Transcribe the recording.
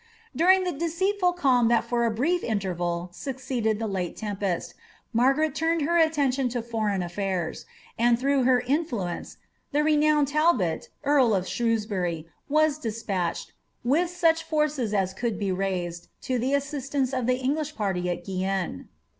During the deceitful calm that for a brief interval succeeded the Sate tempest, Margaret turned her attention to foreign aflairs, and, tlirougli her influence, the renowned Talbot, earl of Shrewsbury, was despatched, with such forces as could be raised, to the assistance of the English party in Guienne.